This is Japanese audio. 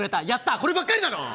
こればっかりだろ！